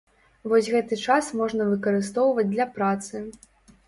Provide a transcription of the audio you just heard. Вось гэты час можна выкарыстоўваць для працы.